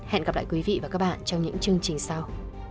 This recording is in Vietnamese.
hẹn gặp lại quý vị và các bạn trong những chương trình sau